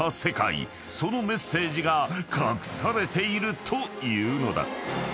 ［そのメッセージが隠されているというのだ］